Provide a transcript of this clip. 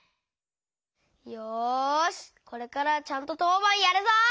よしこれからはちゃんととうばんやるぞ！